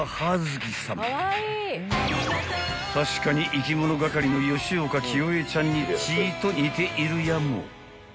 ［確かにいきものがかりの吉岡聖恵ちゃんにちいと似ているやも］